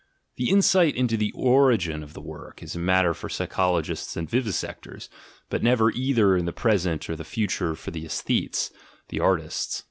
The insight into the origin of a work is a matter for psychologists and vivisectors, but never either in the present or the future for the aesthetes, the artists.